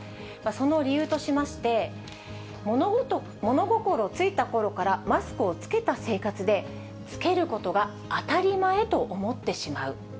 その理由としまして、物心ついたころからマスクを着けた生活で、着けることが当たり前と思ってしまう。